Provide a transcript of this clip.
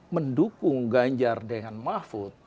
mendukung ganjar dengan mahfud